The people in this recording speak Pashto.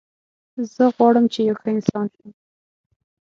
زه غواړم چې یو ښه انسان شم